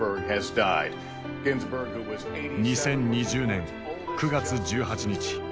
２０２０年９月１８日。